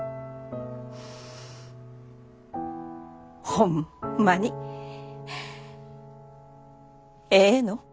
ホンマにええの？